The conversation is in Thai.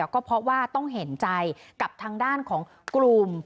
ก็เพราะว่าต้องเห็นใจกับทางด้านของกลุ่ม